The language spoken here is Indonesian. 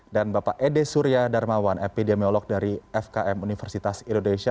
dan bapak ede surya darmawan epidemiolog dari fkm universitas indonesia